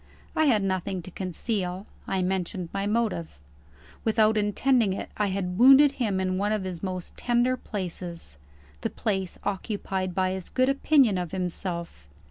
I had nothing to conceal; I mentioned my motive. Without intending it, I had wounded him in one of his most tender places; the place occupied by his good opinion of himself.